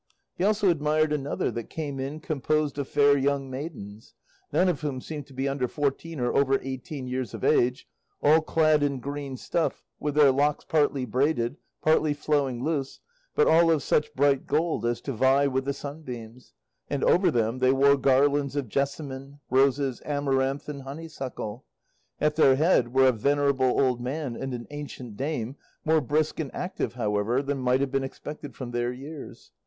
He also admired another that came in composed of fair young maidens, none of whom seemed to be under fourteen or over eighteen years of age, all clad in green stuff, with their locks partly braided, partly flowing loose, but all of such bright gold as to vie with the sunbeams, and over them they wore garlands of jessamine, roses, amaranth, and honeysuckle. At their head were a venerable old man and an ancient dame, more brisk and active, however, than might have been expected from their years.